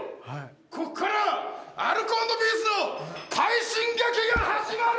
ここからアルコ＆ピースの快進撃が始まる！